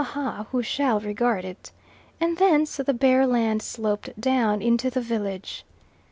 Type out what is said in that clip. ha! who shall regard it?"), and thence the bare land sloped down into the village.